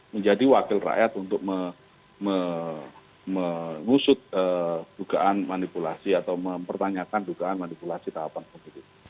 menjadi wakil rakyat untuk mengusut dugaan manipulasi atau mempertanyakan dugaan manipulasi tahapan pemilu